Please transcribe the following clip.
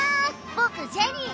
僕ジェニー！